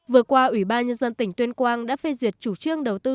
vừa qua ủy ban nhân dân tỉnh tuyên quang đã phê duyệt chủ trương đầu tư